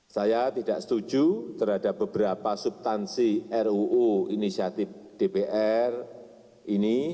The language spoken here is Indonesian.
saya tidak setuju terhadap beberapa subtansi ruu inisiatif dpr ini